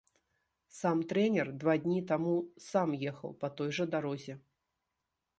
Сам трэнер два дні таму сам ехаў па той жа дарозе.